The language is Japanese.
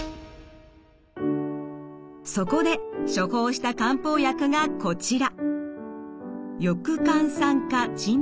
そこで処方した漢方薬がこちら。